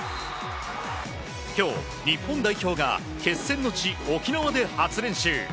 今日、日本代表が決戦の地・沖縄で初練習。